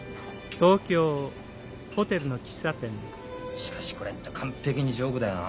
しかしこれって完璧にジョークだよなあ。